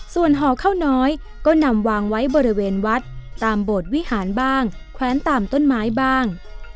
ส่วนห่อข้าวน้อยก็นำวางไว้บริเวณวัดตามโบสถวิหารบ้างแควนตามต้นไม้บ้าง